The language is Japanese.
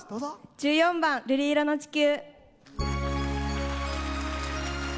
１４番「瑠璃色の地球」。